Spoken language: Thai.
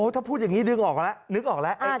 ถ้าพูดอย่างนี้นึกออกแล้ว